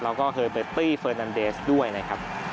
แล้วก็เฮอร์เบตตี้เฟอร์นันเดสด้วยนะครับ